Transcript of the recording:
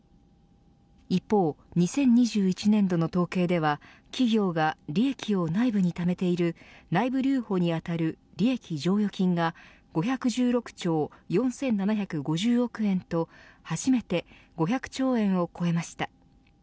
一方、２０２１年度の統計では企業が利益を内部にためている内部留保に当たる利益剰余金が５１６兆４７５０億円と初めて５００兆円を超えました。